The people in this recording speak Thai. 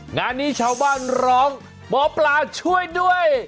งานนี้ชาวบ้านร้องหมอปลาช่วยด้วย